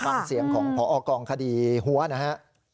ฟังเสียงของพอกองคดีหัวนะฮะ